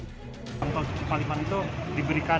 gerbang tol cipali man itu diberikan